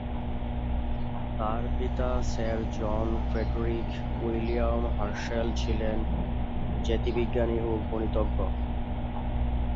তার পিতা sir John Frederick William Herschel ছিলেন জ্যোতির্বিজ্ঞানী ও গণিতজ্ঞ।